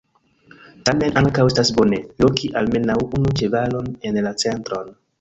Tamen ankaŭ estas bone loki almenaŭ unu ĉevalon en la centron.